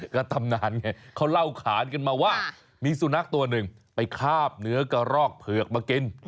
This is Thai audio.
ก็ตำนานไงเขาเล่าขานกันมาว่ามีสุนัขตัวหนึ่งไปคาบเนื้อกระรอกเผือกมากิน